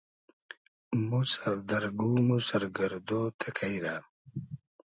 مۉ سئر دئر گوم و سئر گئردۉ تئکݷ رۂ